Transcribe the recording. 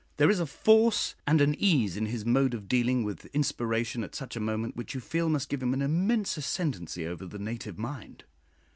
There is a force and an ease in his mode of dealing with inspiration at such a moment which you feel must give him an immense ascendancy over the native mind.